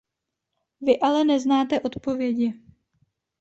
Vy ale neznáte odpovědi.